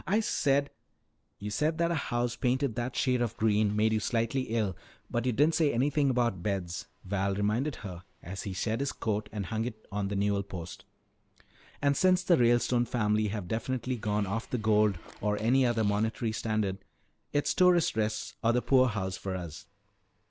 "I said " "You said that a house painted that shade of green made you slightly ill. But you didn't say anything about beds," Val reminded her as he shed his coat and hung it on the newel post. "And since the Ralestone family have definitely gone off the gold or any other monetary standard, it's tourist rests or the poorhouse for us."